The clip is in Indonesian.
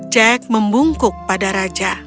jack membungkuk pada raja